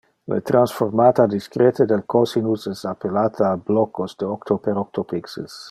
Le transformata discrete del cosinus es applicate a blocos de octo per octo pixels.